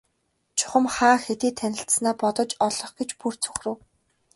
Чухам хаа хэдийд танилцсанаа бодож олох гэж бүр цөхрөв.